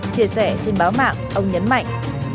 chia sẻ trên báo mạng ông nhấn mạnh